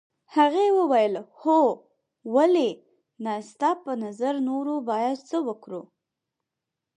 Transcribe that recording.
هغې وویل هو ولې نه ستا په نظر نور باید څه وکړو.